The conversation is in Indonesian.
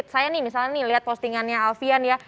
saya nih misalnya nih lihat postingannya alfian ya